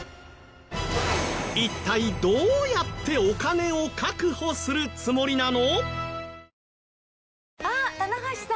一体どうやってお金を確保するつもりなの？